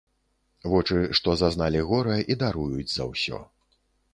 Вочы, што зазналі гора і даруюць за ўсё.